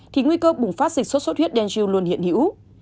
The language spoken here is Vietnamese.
thì nguy cơ bùng phát dịch sốt xuất huyết denew luôn hiện hữu